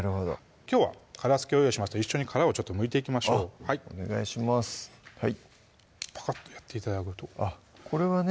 きょうは殻つきを用意しました一緒に殻をむいていきましょうお願いしますパカッとやって頂くとあっこれはね